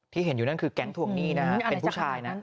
เห็นอยู่นั่นคือแก๊งทวงหนี้นะฮะเป็นผู้ชายนะ